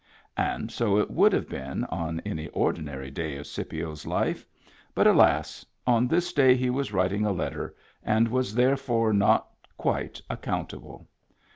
And so it would have been on any ordinary day of Scipio's life; but alas ! on this day he was writing a letter, and was therefore not quite accountable.